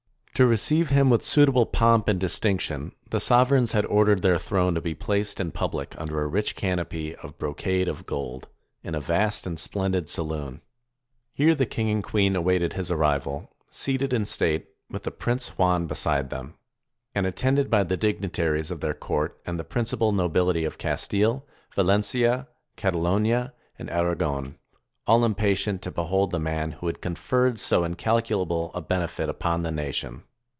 To receive him with suitable pomp and distinction, the sovereigns had ordered their throne to be placed in public under a rich canopy of brocade of gold, in a vast and splendid saloon. Here the king and queen awaited 484 THE RETURN OF COLUMBUS his arrival, seated in state, with the prince Juan beside them, and attended by the dignitaries of their court and the principal nobility of Castile, Valentia, Catalonia, and Aragon, all impatient to behold the man who had conferred so incalculable a benefit upon the nation.